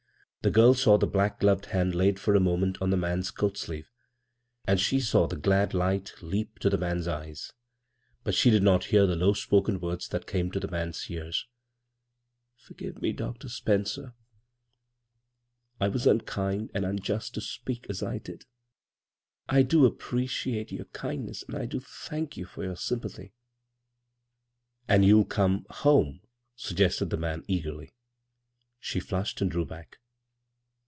The girl saw the black gloved hand laid for a moment on the man's coat sleeve, and she saw the glad light leap to the man's eyes ; but she did not hear the low spoken words that came to the man's ears. " Forgive me, Dr. Spencer ' I was un kind and unjust to speak as 1 did. I do ap~ predate your kindness, and I do tfaaak you for your sympathy." "And you'll come — home?" suggested the man, eagerly. She flushed and drew back.